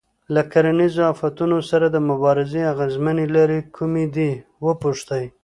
له کرنیزو آفتونو سره د مبارزې اغېزمنې لارې کومې دي وپوښتئ.